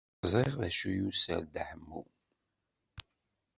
Ẓriɣ d acu yuser Dda Ḥemmu.